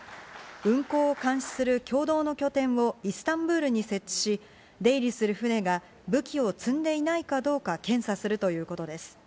運航を監視する共同の拠点をイスタンブールに設置し、出入りする船が武器を積んでいないかどうか検査するということです。